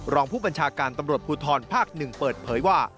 รองผู้บัญชาการตำรวจภูทรภาค๑เปิดเผยว่า